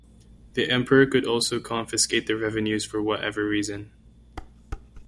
The emperor could also confiscate the revenues for whatever reason.